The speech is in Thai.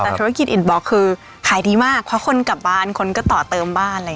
แต่ธุรกิจอินบล็อกคือขายดีมากเพราะคนกลับบ้านคนก็ต่อเติมบ้านอะไรอย่างนี้